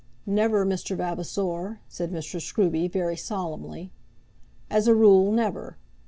"Never, Mr. Vavasor," said Mr. Scruby, very solemnly. "As a rule, never.